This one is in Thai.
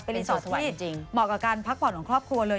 รีสอร์ทที่เหมาะกับการพักผ่อนของครอบครัวเลย